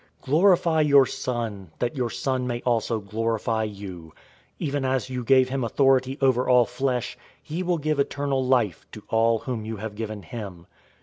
Glorify your Son, that your Son may also glorify you; 017:002 even as you gave him authority over all flesh, he will give eternal life to all whom you have given him.